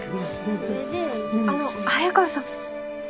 あの早川さん。